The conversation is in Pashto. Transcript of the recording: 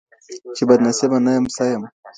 چې بدنصيبه نه يم څه يم